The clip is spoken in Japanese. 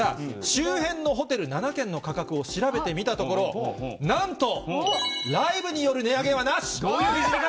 周辺のホテル７軒の価格を調べてみたところ、なんと、ライブによる値上げはなし！